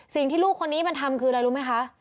สิ่งที่ลูกคนนี้มันทำคืออะไรรู้ไหมคะ